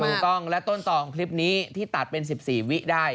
ถูกต้องและต้นต่อของคลิปนี้ที่ตัดเป็น๑๔วิได้